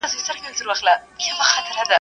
پر مُلا ئې لمبول دي، بخښنه ئې پر خداى ده.